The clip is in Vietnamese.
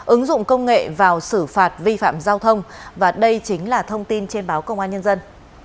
ứng dụng công nghệ vào xử phạt vi phạm giao thông và đây chính là thông tin trên báo công an nhân dân